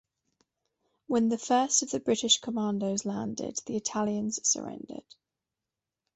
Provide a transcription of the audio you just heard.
When the first of the British Commandos landed, the Italians surrendered.